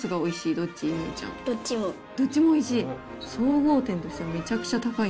どっちもおいしい。